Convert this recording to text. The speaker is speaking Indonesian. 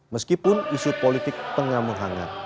meskipun isu politik tengah menghangat